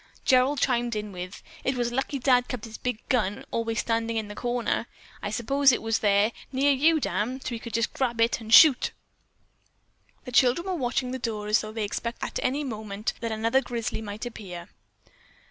Gerald chimed in with: "It was lucky Dad kept his big gun always standing in the corner. I suppose it was right there, near you, Dan, so he could just grab it and shoot." The children were watching the door as though they expected at any minute that another grizzly might appear.